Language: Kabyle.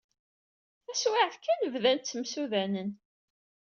Taswiɛt kan, bdan ttemsudanen.